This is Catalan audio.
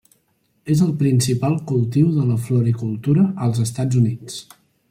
És el principal cultiu de la floricultura als Estats Units.